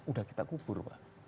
udah kita kubur pak